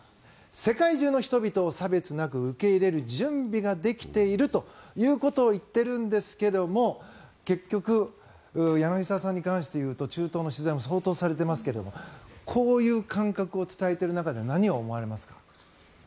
世界中の人々を差別なく受け入れる準備ができているということを言っているんですが結局、柳澤さんに関していうと中東の取材も相当されていますがこういう感覚を伝えている中では何を思う？